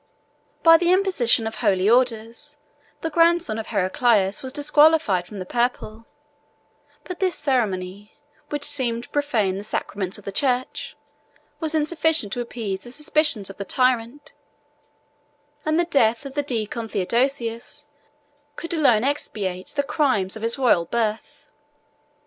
By the imposition of holy orders, the grandson of Heraclius was disqualified for the purple; but this ceremony, which seemed to profane the sacraments of the church, was insufficient to appease the suspicions of the tyrant, and the death of the deacon Theodosius could alone expiate the crime of his royal birth.